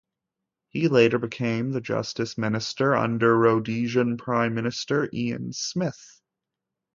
He later became the justice minister under Rhodesian prime minister Ian Smith.